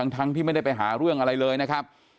ทั้งที่ไม่ได้ไปหาเรื่องอะไรเลยนะครับ